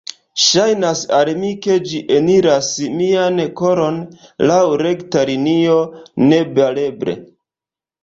Ŝajnas al mi ke ĝi eniras mian koron laŭ rekta linio, nebareble.